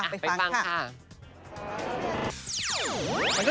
ไปฟังค่ะ